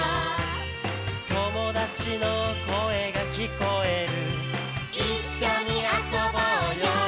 「友達の声が聞こえる」「一緒に遊ぼうよ」